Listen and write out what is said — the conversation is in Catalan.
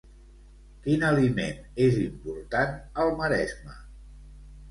Quin aliment és important al Maresme?